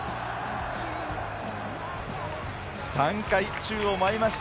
３回宙を舞いました